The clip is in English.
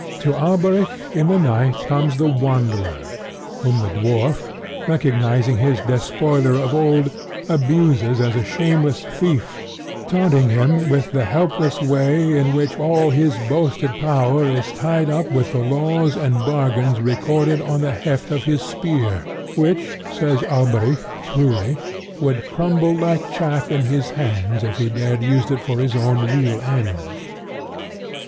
To Alberic in the night comes the Wanderer, whom the dwarf, recognizing his despoiler of old, abuses as a shameless thief, taunting him with the helpless way in which all his boasted power is tied up with the laws and bargains recorded on the heft of his spear, which, says Alberic truly, would crumble like chaff in his hands if he dared use it for his own real ends.